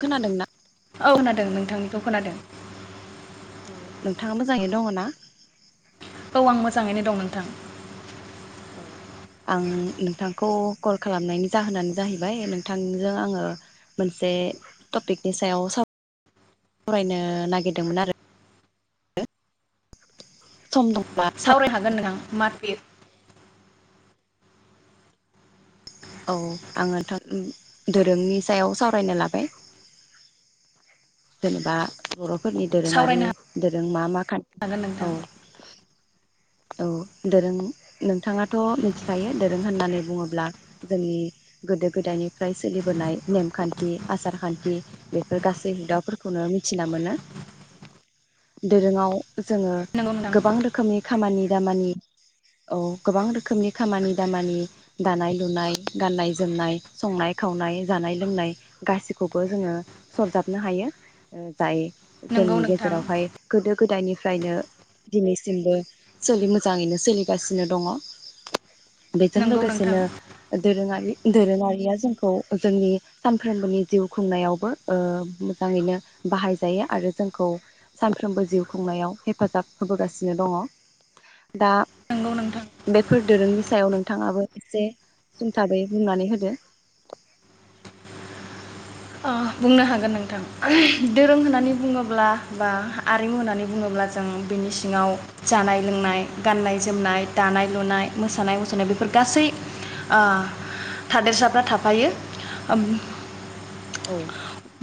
खोनादोंना औ होनादों नोंथां। खोनादों नोंथाङा मोजाङै दङना औ आं मोजाङैनो दं नोंथां। औ आं नोंथांखौ कल खालामनायनि जाहोनानो जाहैबाय नोंथांजों आङो मोनसे टपिकनि सायाव सावरायनो नागिरदोंमोन आरो। सम दं सावराय हागोन नोंथां [unintelligible] औ आङो दोरोंनि सायाव सावरायनो लाबाय। जेनेबा बर' फोरनि दोरोङारि सावरायनो दोरों मा मा खान्थि हागोन नोंथां औ औ दोरों नोंथाङाथ' मिथिखायो दोरों होननानै बुङोब्ला जोंनि गोदो गोदायनिफ्राय सोलिबोनाय नेमखान्थि आसार खान्थि बेफोर गासै हुदाफोरखौनो मिथिना मोनो दोरोङाव जोङो नंगौ नोंथां गोबां रोखोमनि खामानि दामानि औ गोबां रोखोमनि खामानि दामानि दानाय लुनाय गाननाय जोमनाय संनाय खावनाय जानाय लोंनाय गासिखौबो जोङो सरजाबनो हायो। जाय नंगौ जोंनि नोंथां गेजेरावहाय गोदो गोदायनिफ्रायनो दिनैसिमबो सोलि मोजाङैनो सोलिगासिनो दङ। बेजों नंगौ नोंथां लोगोसेनो दोरोङारि दोरोङारिया जोंखौ जोंनि सानफ्रोमबोनि जिउ खुंनायावबो ओ मोजाङैनो बाहायजायो आरो जोंखौ सानफ्रोमबो जिउ खुंनायाव हेफाजाब होबोगासिनो दङ। दा नंगौ नोंथां बेफोर दोरोंनि सायाव नोंथाङाबो एसे सुंथाबै बुंनानै होदो। अ बुंनो हागोन नोंथां। [unintelligible] दोरों होननानै बुङोब्ला बा आरिमु होननानै बुङोब्ला जों बिनि सिङाव जानाय-लोंनाय, गान्नाय-जोमनाय, दानाय-लुनाय, मोसानाय-मुसुरनाय बेफोर गासै ओ थादेरसाफ्रा थाफायो। ओ औ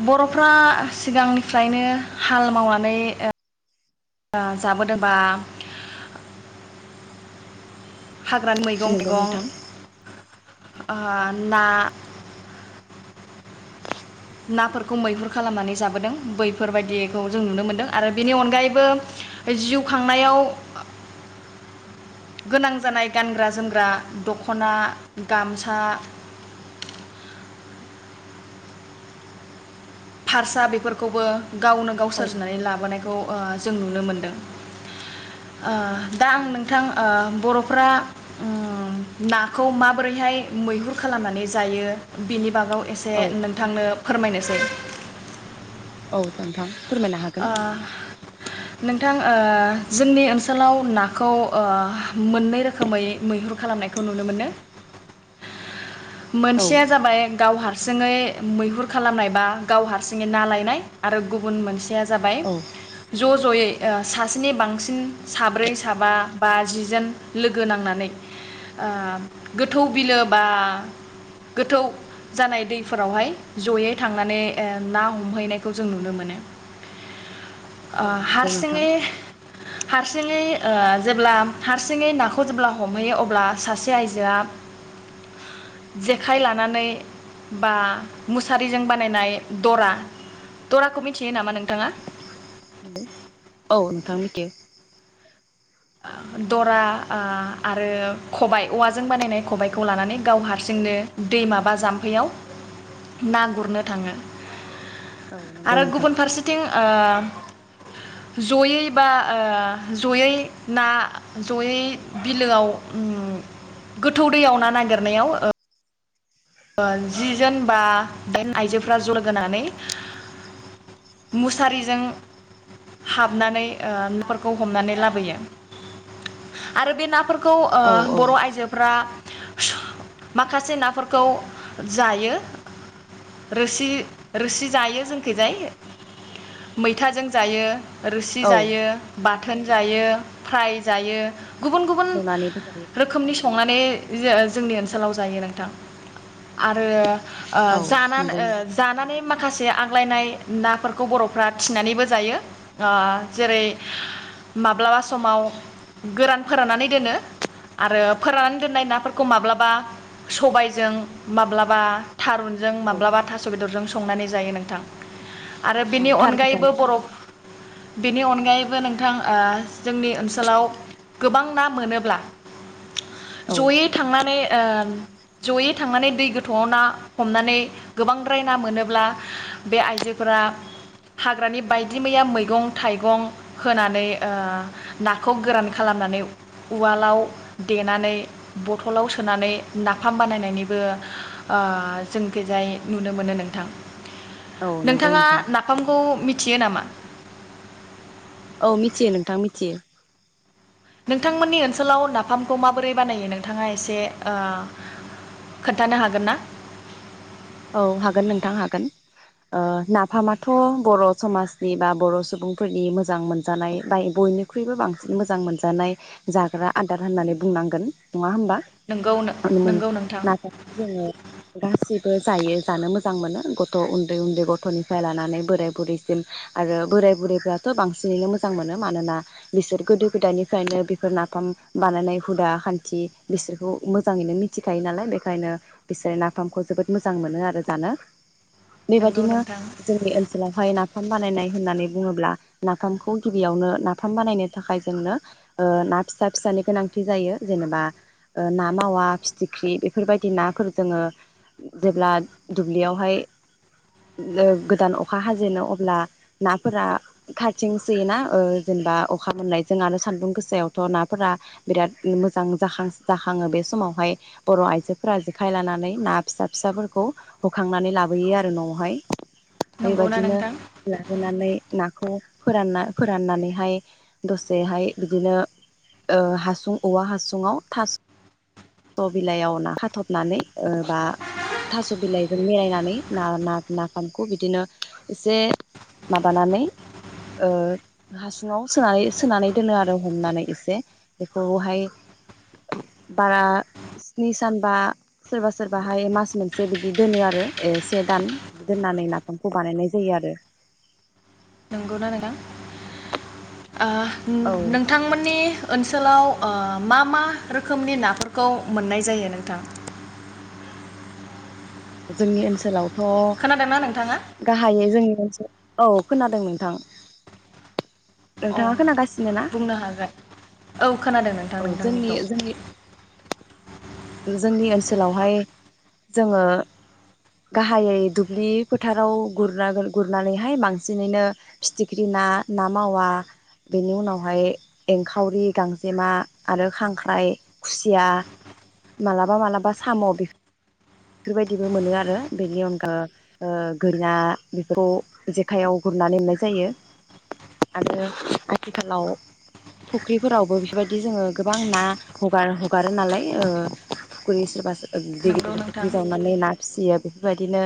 बर'फ्रा ओ सिगांनिफ्रायनो हाल मावनानै ओ आ जाबोदोबा हाग्रानि नंगौ मैगं-थाइगं। नोंथां ओ ना नाफोरखौ मैहुर खालामनानै जाबोदों बैफोरबायदिखौ जों नुनो मोन्दों आरो बेनि अनगायैबो जिउ खांनायाव गोनां जानाय गानग्रा-जोमग्रा दख'ना, गामसा। फारसा बेफोरखौबो गावनो गाव औ सोरजिनानै लाबोनायखौ बा जों नुनो मोनदों। ओ दा औ आं नोंथां ओ बर'फ्रा ओम नाखौ माबोरैहाय मैहुर खालामनानै जायो बेनि बागाव एसे औ नोंथांनो फोरमायनोसै। औ नोंथां फोरमायनो हागोन। ओ नोंथां ओ जोंनि ओनसोलाव नाखौ ओ मोननै रोखोमै मैहुर खालामनायखौ नुनो मोनो। औ मोनसेया जाबाय गाव हार सिङै मैहुर खालामनाय बा गाव हारसिङै ना लायनाय आरो गुबुन मोनसेया जा जाबाय औ जस जयै ओ सासेनि बांसिन साब्रै साबा बा जिजोन लोगो नांनानै ओ गोथौ बिलो बा गोथौ जानाय दैफोरावहाय जयै थांनानै ओ ना हमहैनायखौ जों नुनो मोनो। ओ औ नंगौ नोंथां हारसिङै हारसिङै ओ जेब्ला हारसिङै नाखौ जेब्ला हमहैयो अब्ला सासे आइजोआ जेखाइ लानानै बा मुसारिजों बानायनाय दरा। दराखौ मिथियो नामा नों औ नोंथां मिथियो। ओ दरा ओ आरो खबाय औवाजों बानायनाय खबाइखौ लानानै गाव हारसिंनो दै माबा जाम्फैयाव ना गुरनो थाङो। औ नंगौ आरो नोंथां गुबुन फारसेथिं ओ जयै बा ओ जयै ना जयै बिलोआव उम गोथौ दैयाव ना नागिरनायाव ओ ओ जि जोन बा दाइन आइजोफोरा ज' लोगोनानै मुसारिजों हाबनानै ओ नाफोरखौ हमनानै लाबोयो आरो बे नाफोर खौ औ ओ औ बर' आइजोफ्रा। स माखासे नाफोर खौ जायो रोसि रोसि जायो जोंखैजाय मैथाजों जायो। रोसि औ जायो बा बाथोन जायो फ्राय जायो। गुबुन गुबुन नुनानैबो जायो औ रोखोमनि संनानै जो-जोंनि ओनसोलाव जायो नोंथां। आरो ओ औ जानान नंगौ जानानै मा खासे आग्लायनाय नाफोरखौ बर'फोरा थिनानैबो जायो। ओ जेरै माब्लाबा समाव गोरान फोराननानै दोनो आरो फोराननानै दोनाय नाफोरखौ माब्लाबा सबाय जों माब्लाबा थारुनजों औ माब्लाबा थास बेदरजों स संनानै जायो नोंथां। आरो औ बिनि थार खोथा अनगायैबो नोंथां बर' बेनि अनगायैबो नोंथां ओ जोंनि ओनसोलाव गोबां ना मोनोब्ला औ जयै थांनानै ओ जयै थांनानै दै गोथौआव ना हमनानै गोबांद्राय ना मोनोब्ला बे आइजोफोरा हाग्रानि बायदि मैया मैगं थाइगं होनानै ओ नाखौ गोरान खालामनानै उवालाव देनानै बथलाव सोनानै ना फाम बानायनायनिबो ओ जों खैजाय नुनो मोनो नोंथां। औ नंगौ नोंथाङा नोंथां नाफामखौ मिथ थियो नामा? औ मिथियो नोंथां मिथियो। नोंथांमोननि ओनसोलाव नाफामखौ माबोरै बानायो नोंथाङा एसे ओ खोन्थानो हागोन ना? औ हागोन नोंथां हागोन ओ नाफामाथ' बर' समाजनि बा बर' सुबुंफोरनि मोजां मोनजानाय बा बयनिख्रुइबो बांसिन मोजां मोनजानाय जाग्रा आदार होननानै बुंनांगोन। नङा नंगौ होमबा नंगौ नोंथां [unintelligible] गासिब बो जायो। जानो मोजां मोनो गथ' उन्दै उन्दै गथ'निफ्राय लानानै बोराय बुरैसिम आरो बोराय बुरैफ्राथ' बांसिनैनो मोजां मोनो। मानोना बिसोर गोदो गोदायनिफ्रायनो बेफोर नाफाम बानायनाय हुदा खान्थि बिसोरखौ मोजाङैनो मिथिखायो नालाय बेखायनो बिसोरो नाफामखौ जोबोद मोजां मोनो आरो जानो नंगौ बेबायदिनो नोंथां जोंनि ओनसोलावहाय नाफाम बानायनाय होननानै बुङोब्ला नाफामखौ गिबियावनो नाफाम बानायनो थाखाय जोंनो ओ ना फिसा फिसानि गोनांथि जायो। जेनेबा ओ ना मावा फिथिख्रि बेफोरबायदि नाफोर जोङो जेब्ला दुब्लियावहाय ओ गोदान अखा हाजेनो अब्ला नाफोरा खाथिं सोयोना ओ जेनेबा अखा मोननायजों आरो सान्दुं गोसायावथ' नाफोरा बिराद मोजां जाखां जाखाङो बे समावहाय बर' आइजोफोरा जेखाय लानानै ना फिसा फिसाफोरखौ होखांनानै लाबोयो आरो न'आवहाय नंगौना बेबायदिनो नोंथां लाबोनानै नाखौ फोरानना फोराननानैहाय दसेहाय बिदिनो ओ हासुं औवा हासुङाव थास स' बिलाइयाव ना खाथबनानै। ओ बा थास' बिलाइजों मेरायनानै ना-ना-नाफामखौ बिदिनो एसे माबानानै ओ हासुङाव सोनानै सोनानै दोनो आरो हमनानै एसे बेखौहाय बारा स्नि सानबा सोरबा सोरबाहाय मास मोनसे बिदि दोनो आरो ओ से दान बिदि दोननानै नाफामखौ बानायनाय जायो आरो। नंगौना नोंथां? ओ औ नो नोंथांमोननि ओनसो सोलाव ओ मा मा रोखोमनि नाफोरखौ मोननाय जायो नोंथां? जोंनि ओनसोलाव थ' खोनादोंना नोंथाङा गाहायै जोंनि औ खोनादों नोंथां। औ नोंथाङा खोनागासिनो ना? बुंनो हागोन औ खोनादों नोंथां अ' जोंनि नोंथांनिखौ जोंनि जोंनि ओनस लावहाय जोंङो । गाहायै दुब्लि फोथाराव गुरागोन गुरनानैहाय बांसिनैनो फिथिख्रि ना ना मावा बेनि उनावहाय एंखावरि गांजेमा आरो खांख्राइ खुसिया मालाबा मालाबा साम बेफ बेफोरबायदिबो मोनो आरो बेनि अनगा ओ गोरि ना बेफोरखौ जेखायाव गुरनानै मोननाय जायो आरो आथिखालाव फुख्रिफोरावबो बेफोरबायदि जोङो गोबां ना हगार हगारो नालाय ओ फुख्रि सोरबा सो ओ गिदिर नंगौ गिदिरखौ नोंथां फख्रि जावनानै ना फिसियो । बेफोरबायदिनो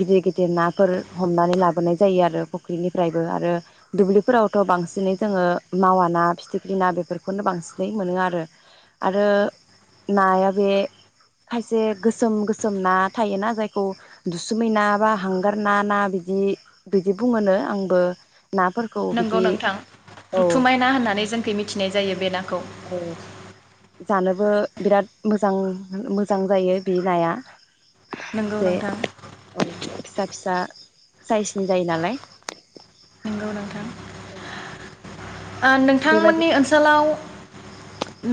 गिदिर गिदिर नाफोर हमनानै लाबोनाय जायो आरो फुख्रिनिफ्रायबो आरो दुब्लिफोरावथ' बांसिनै जोंङो मावा ना फिथिख्रि ना बेफोरखौनो बांसिनै मोनो आरो आरो नाया बे खायसे गोस गोसोम गोसोम ना थायोना जायखौ दुसुमै ना बा हांगार ना ना बिदि बिदि बुङोनो आंबो नाफोरखौ नंगौ बिदि नोंथां औ दुथुमाय ना होननानै जोंखै मिथिनाय जायो बे नाखौ । औ जानोबो बिराद मोजां मोजां जायो । बे नाया । नंगौ जे नोंथां ओ फिसा फिसा साइजनि जायो नालाय । नोंगौ नोंथां । ओं । ओ नोंथांमोननि ओनसोलाव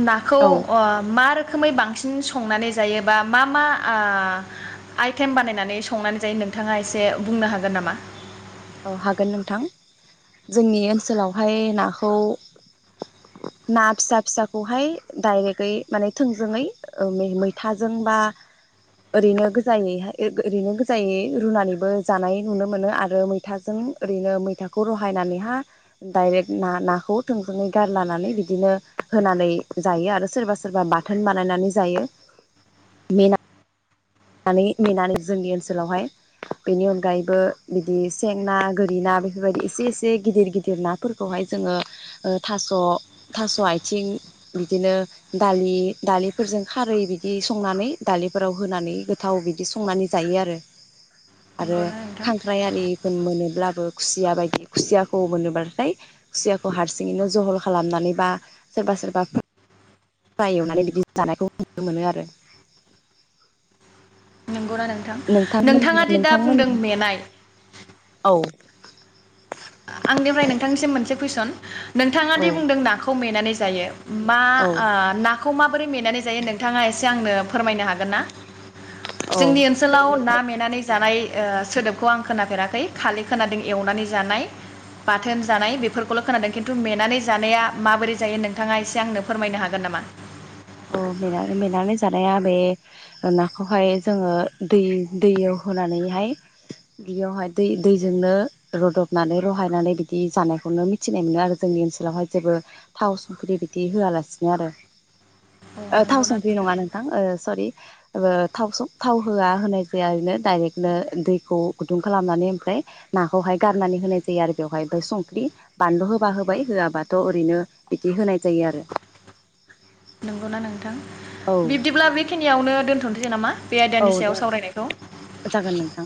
नाखौ औ अ मा रोक रोखोमै बांसिन संनानै जायो बा मा मा आ आइटेम बानायनानै संनानै जायो नोंथाङा एसे बुंनो हागोन नामा? औ हागोन नोंथां जोंनि ओनसोलावहाय नाखौ ना फिसा फिसाखौहाय डाइरेक्टै माने थोंजोङै ओ मैथाजों बा ओरैनो गोजायै ओरैनो गोजायै रुनानैबो जानाय नुनो मोनो आरो मै मैथाजों ओरैनो मैथाखौ रहायनानैहा डायरेक्ट ना नाखौ थोंजोङै गारलानानै बिदिनो होनानै जायो आरो सोरबा सोरबा बाथोन बानायनानै जायो मेना नानै मेनानै जोंनि ओनसोलावहाय बेनि अनगायैबो बिदि सें ना गोरि ना बेफोरबायदि एसे एसे गिदिर गिदिर नाफोरखौहाय जोङो थास' थास' आथिं बिदिनो दालि दालिफोरजों खारै बिदि संनानै दालिफोराव होनानै थाव बिदि संनानै जायो आरो आरो नंगौना नोंथां खांख्राइ आरिफोर मोनोब्लाबो खुसिया बायदि खुसियाखौ मोनोब्लाथाय खुसियाखौ हारसिङैनो जहल खालामनानै बा सोरबा सोरबा फुरा एवनानै बिदि जानायखौ नुनो मोनो आरो । नंगौना नोंथां नोंथाङा दि दा नोंथांमोन बुंदों मेनाय औ आंनिफ्राय नोंथांनिसिम मोनसे कुइसन । नोंथांङा औ दि बुंदों नाखौ मेनानै जायो । मा औ ओ नाखौ मा माबोरै मेनानै जायो नोंथांङा एसे आंनो फोरमायनो हागोन ना? औ जोंनि ओनसोलाव ना मेनानै जानाय ओ सोदोबखौ आं खोनाफेराखै खालि खोनादों एवनानै जानाय । बाथोन जानाय बेफोरखौल' खोनादों खिन्थु मेनानै जानाया माबोरै जायो नोंथांङा एसे आंनो फोरमायनो हागोन नामा? औ मेनानै मेनानै जानाया बे नाखौहाय जोंङो दै दैयाव होनानैहाय बेयावहाय दै दैजोंनो रदबनानै रहायनानै बिदि जानायखौनो मिथिनाय मोनो आरो जोंनि ओनसोलावहाय जेबो थाव संख्रि बिदि होआलासिनो आरो । अ ओ थाव नंगौना संख्रि नङा नोंथां ओ सरि ओ थाव थाव होआ होनाय जाया ओरैनो दायरेक्टनो दैखौ गुदुं खालामनानै ओमफ्राय नाखौहाय गारनानै होनाय जायो आरो बेवहाय ओमफ्राय संख्रि बानलु होबा होबाय होआबाथ' ओरैनो बिदि होनाय जायो आरो । नंगौना नोंथां? बिब्दिब्ला बेखिनियावनो दोनथ'नोसै नामा? बेे आयदानि सायाव सावरायनायखौ । थां